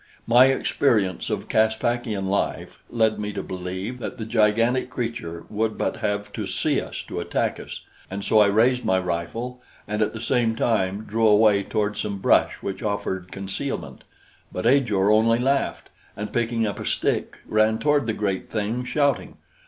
My experience of Caspakian life led me to believe that the gigantic creature would but have to see us to attack us, and so I raised my rifle and at the same time drew away toward some brush which offered concealment; but Ajor only laughed, and picking up a stick, ran toward the great thing, shouting.